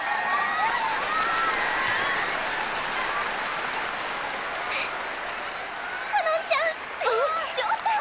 あっ。